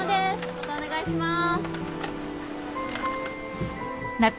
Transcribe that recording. またお願いします。